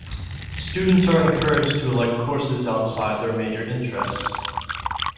Students are encouraged to elect courses outside their major interests.